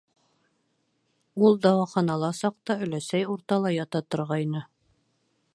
Ул дауаханала саҡта өләсәй уртала ята торғайны.